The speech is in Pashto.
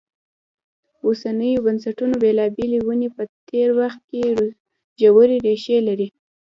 اوسنیو بنسټونو بېلابېلې ونې په تېر وخت کې ژورې ریښې لري.